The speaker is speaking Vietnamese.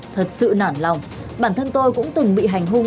thật sự nản lòng bản thân tôi cũng từng bị hành hung